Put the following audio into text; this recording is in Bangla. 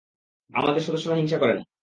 আমাদের সদস্যরা হিংসা করে না।